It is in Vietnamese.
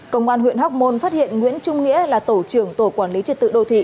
công an huyện hóc môn phát hiện nguyễn trung nghĩa là tổ trưởng tổ quản lý trật tự đô thị